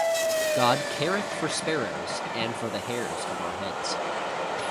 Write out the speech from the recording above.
God careth for sparrows, and for the hairs of our heads.